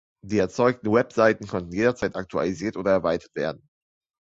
Die erzeugten Webseiten können jederzeit aktualisiert oder erweitert werden.